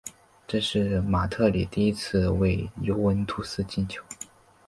这是马特里第一次为尤文图斯进球。